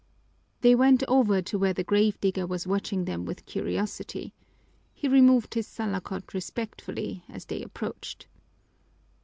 They went over to where the grave digger was watching them with curiosity. He removed his salakot respectfully as they approached.